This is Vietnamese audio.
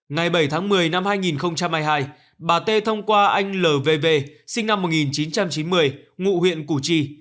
ngày bảy tháng một mươi năm hai nghìn hai mươi hai bà t thông qua anh l v v sinh năm một nghìn chín trăm chín mươi ngụ huyện củ chi